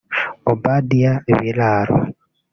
Obadiah Biraro